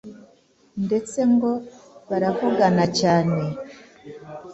ndetse ngo baravugana cyane.